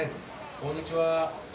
こんにちは。